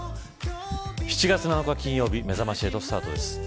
７月７日金曜日めざまし８スタートです。